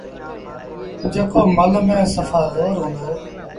جيڪو مله ميݩ سڦآ زور هُݩدو۔